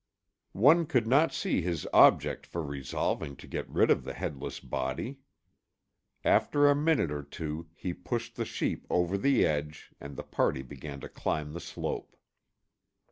One could not see his object for resolving to get rid of the headless body. After a minute or two he pushed the sheep over the edge and the party began to climb the slope.